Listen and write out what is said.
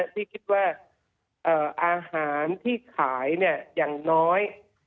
ที่คิดว่าอาหารที่ขายอย่างน้อย